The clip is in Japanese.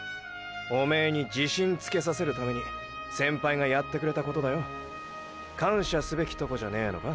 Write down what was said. おめーに自信つけさせるために“先輩”がやってくれたコトだよ？感謝すべきとこじゃねーのか？